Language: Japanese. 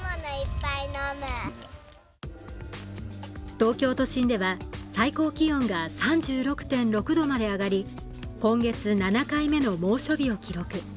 東京都心では、最高気温が３６．６度まで上がり今月７回目の猛暑日を記録。